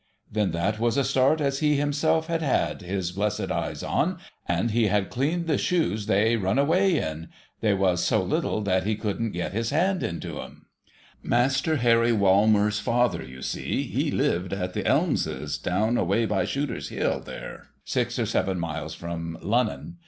Then that was a start as he himself had had his blessed eyes on, and he had cleaned the shoes they run away in — and they was so little that he couldn't get his hand into 'em. Master Harry '\\^almers' father, you see, he lived at the Elmses, down away by Shooter's Hill there, six or seven miles from Lunnon.